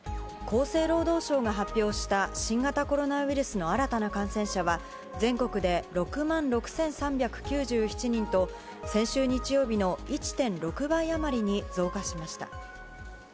厚生労働省が発表した新型コロナウイルスの新たな感染者は、全国で６万６３９７人と、先週日曜日の１．６倍余りに増加しました。